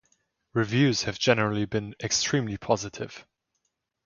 Reviews have generally been extremely positive.